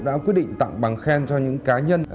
đã quyết định tặng bằng khen cho những cá nhân